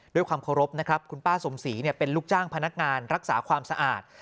ด้วยความเคารพนะครับคุณป้าสมศรีเป็นลูกจ้างพนักงานรักษาความสะอาด